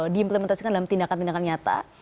diimplementasikan dalam tindakan tindakan nyata